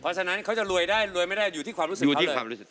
เพราะฉะนั้นเขาจะรวยได้รวยไม่ได้อยู่ที่ความรู้สึกเขาเลย